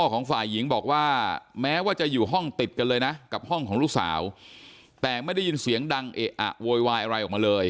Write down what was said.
ก็จะอยู่ห้องติดกันเลยนะกับห้องของลูกสาวแต่ไม่ได้ยินเสียงดังเออะโวยวายอะไรออกมาเลย